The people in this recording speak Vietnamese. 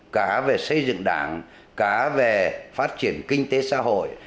cả về xây dựng đảng cả về phát triển kinh tế xã hội